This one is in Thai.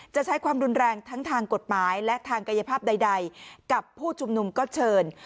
จะใช้ความรุนแรงทั้งทางกฎหมายและทางกายภาพใดกับผู้ชุมนุมก็เชิญ